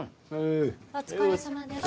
お疲れさまでした。